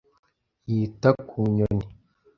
yita ku nyoni.